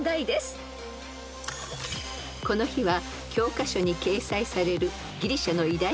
［この日は］